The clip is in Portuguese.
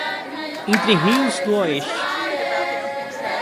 Entre Rios do Oeste